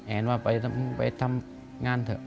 แอนว่าไปทำงานเถอะ